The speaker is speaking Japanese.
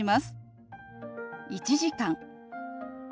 「１時間」。